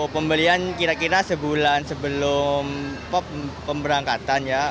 pembelian kira kira sebulan sebelum pembangkatan ya